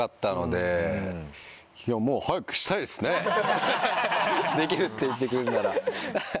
できるって言ってくれるなら。